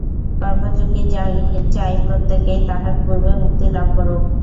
কর্মযোগী চায় প্রত্যেকেই তাহার পূর্বে মুক্তি লাভ করুক।